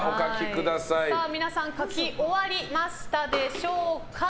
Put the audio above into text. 皆さん書き終わりましたでしょうか。